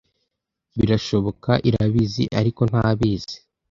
Birashoboka, irabizi, ariko ntabizi